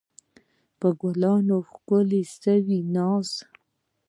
په ګلانو ښکلل سوې ناوکۍ